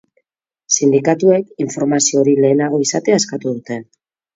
Sindikatuek informazio hori lehenago izatea eskatu dute.